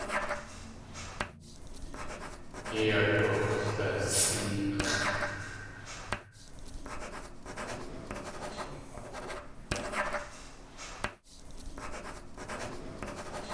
Yei agux̲lasʼéex̲ʼ.